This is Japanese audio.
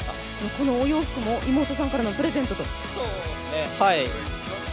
このお洋服も妹さんからのプレゼントと。